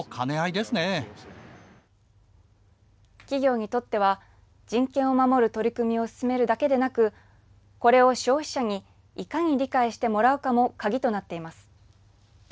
企業にとっては人権を守る取り組みを進めるだけではなくこれを消費者にいかに理解してもらうかも鍵となっています。